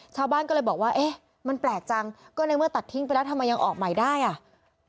ชาวบ้านก็เลยบอกว่าเอ๊ะมันแปลกจังก็ในเมื่อตัดทิ้งไปแล้วทำไมยังออกใหม่ได้อ่ะ